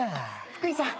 福井さん